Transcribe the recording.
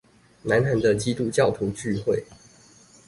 南韓的基督教徒聚會